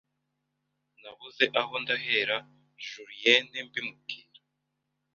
nabuze aho ndahera Julienne mbimubwira